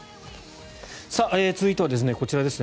続いてはこちらですね。